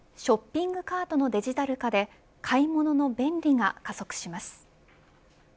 ショッピングカートのデジタル化で買い物の便利が加速します。